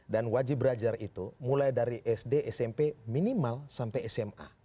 dan wajib belajar itu mulai dari sd smp minimal sampai sma